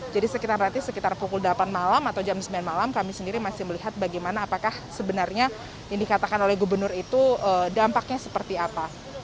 jadi sekitar rati sekitar pukul delapan malam atau jam sembilan malam kami sendiri masih melihat bagaimana apakah sebenarnya yang dikatakan oleh gubernur itu dampaknya seperti apa